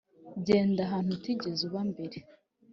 genda ahantu utigeze uba mbere.